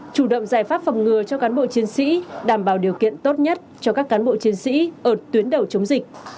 chủ động giải pháp phòng ngừa cho cán bộ chiến sĩ đảm bảo điều kiện tốt nhất cho các cán bộ chiến sĩ ở tuyến đầu chống dịch